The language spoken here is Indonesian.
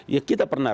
ya kita pernah